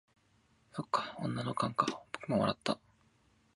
「そっか、女の勘か」僕も笑った。